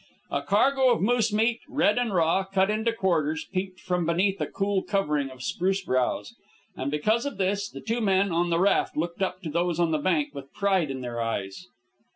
A cargo of moose meat, red and raw, cut into quarters, peeped from beneath a cool covering of spruce boughs. And because of this, the two men on the raft looked up to those on the bank with pride in their eyes.